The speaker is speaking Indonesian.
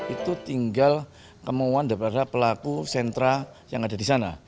itu tinggal kemauan daripada pelaku sentra yang ada di sana